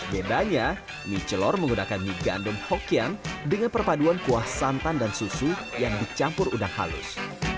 bedanya mie celor menggunakan mie gandum hokian dengan perpaduan kuah santan dan susu yang dicampur udang halus